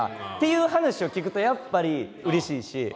いう話を聞くとやっぱりうれしいし。